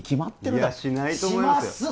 いやしないと思いますよ